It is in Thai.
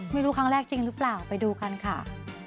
ไม่รู้ครั้งแรกจริงหรือเปล่าไปดูกันค่ะ